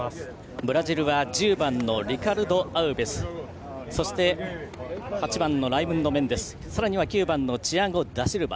ブラジルは１０番リカルド・アウベスそして８番のライムンド・メンデスさらには９番のチアゴ・ダシルバ。